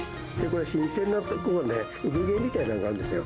これ、新鮮だとね、産毛みたいなのがあるんですよ。